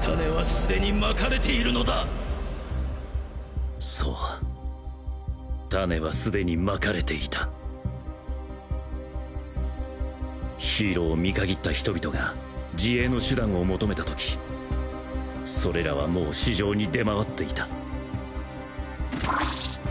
種は既にまかれているのそう種は既にまかれていたヒーローを見限った人々が自衛の手段を求めた時それらはもう市場に出回っていたウォッシュ！